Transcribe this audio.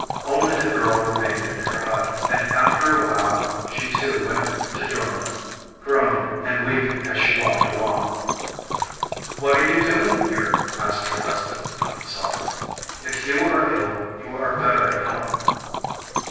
Only the girl remained in her hut; and after a while she too went to join them, groaning and weeping as she walked along. 'What are you doing here?' asked her husband when he saw her. 'If you are ill you are better at home.